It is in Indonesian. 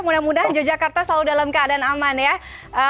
mudah mudahan yogyakarta selalu dalam keadaan aman ya